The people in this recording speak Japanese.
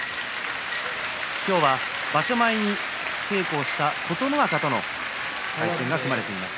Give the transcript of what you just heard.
今日は場所前に稽古をした琴ノ若との対戦が組まれています。